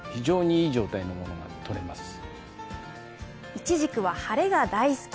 いちじくは晴れが大好き。